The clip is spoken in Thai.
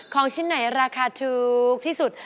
ของชิ้นไหนราคาถูกที่สุด